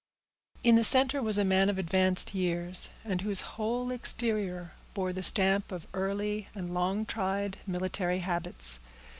In the center was a man of advanced years, and whose whole exterior bore the stamp of early and long tried military habits.